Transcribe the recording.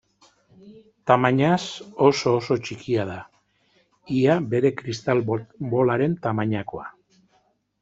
Tamainaz oso-oso txikia da, ia bere kristal bolaren tamainakoa.